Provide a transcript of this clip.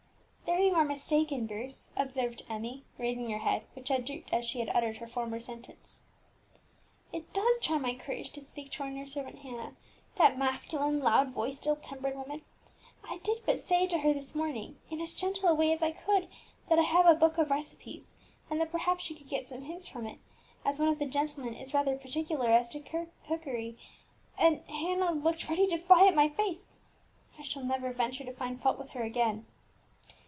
"There you are mistaken, Bruce," observed Emmie, raising her head, which had drooped as she had uttered her former sentence. "It does try my courage to speak to our new servant Hannah, that masculine, loud voiced, ill tempered woman. I did but say to her this morning, in as gentle a way as I could, that I have a book of recipes, and that perhaps she could get some hints from it, as one of the gentlemen is rather particular as to cookery, and Hannah looked ready to fly at my face. I shall never venture to find fault with her again."